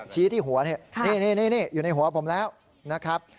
ชี้ที่หัวนี่อยู่ในหัวผมแล้วนะครับ